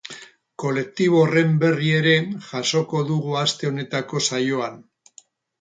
Kolektibo horren berri ere jasoko dugu aste honetako saioan.